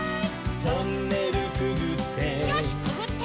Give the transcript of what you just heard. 「トンネルくぐって」